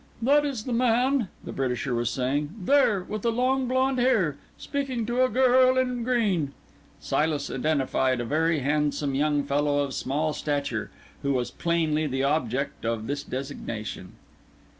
"That is the man," the Britisher was saying; "there—with the long blond hair—speaking to a girl in green." Silas identified a very handsome young fellow of small stature, who was plainly the object of this designation.